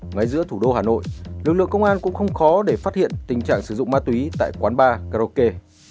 ngay giữa thủ đô hà nội lực lượng công an cũng không khó để phát hiện tình trạng sử dụng ma túy tại quán bar karaoke